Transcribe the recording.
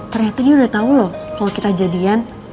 ternyata dia udah tau loh kalau kita jadian